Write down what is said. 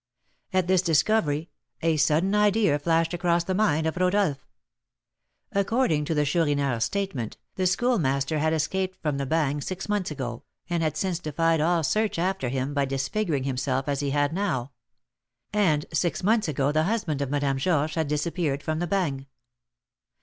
At this discovery, a sudden idea flashed across the mind of Rodolph. According to the Chourineur's statement, the Schoolmaster had escaped from the Bagne six months ago, and had since defied all search after him by disfiguring himself as he had now; and six months ago the husband of Madame Georges had disappeared from the Bagne.